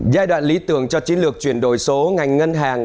giai đoạn lý tưởng cho chiến lược chuyển đổi số ngành ngân hàng